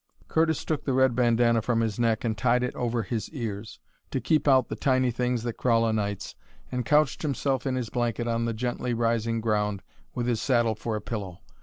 Curtis took the red bandanna from his neck and tied it over his ears, to keep out the tiny things that crawl o' nights, and couched himself in his blanket on the gently rising ground with his saddle for a pillow.